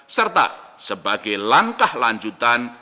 serta sebagai langkah lanjutan